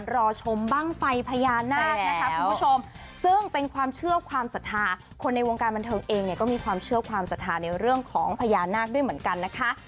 รอชมบ้างไฟพญานาคนะคะคุณผู้ชมซึ่งเป็นความเชื่อความศรัทธาคนในวงการบันเทิงเองเนี่ยก็มีความเชื่อความศรัทธาในเรื่องของพญานาคด้วยเหมือนกันนะคะ